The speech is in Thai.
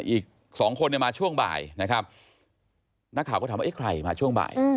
อีกสองคนเนี่ยมาช่วงบ่ายนะครับนักข่าวก็ถามว่าเอ๊ะใครมาช่วงบ่าย